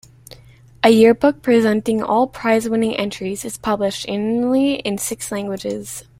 A yearbook presenting all prizewinning entries is published annually in six languages.